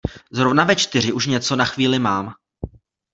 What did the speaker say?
Zrovna ve čtyři už něco na chvíli mám.